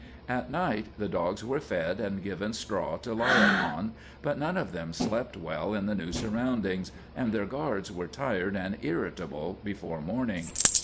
At night the dogs were fed and given straw to lie upon, but none of them slept well in the new surroundings, and their guards were tired and irritable before morning.